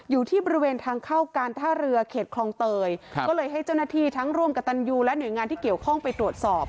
อยู่ที่บริเวณทางเข้าการท่าเรือเขตคลองเตยก็เลยให้เจ้าหน้าที่ทั้งร่วมกับตันยูและหน่วยงานที่เกี่ยวข้องไปตรวจสอบ